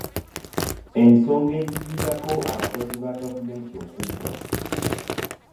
Ensonga eziviirako abakozi ba gavumenti okubba.